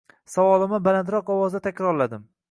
Savolimni balandroq ovozda takrorladim